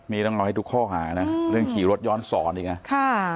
นี่ต้องรอให้ทุกข้อหานะเรื่องขี่รถย้อนสอนอีกนะ